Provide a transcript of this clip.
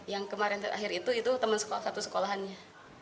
yang kemarin terakhir itu itu teman satu sekolahannya